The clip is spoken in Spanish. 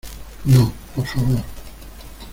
no, por favor.